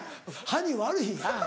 歯に悪いやん？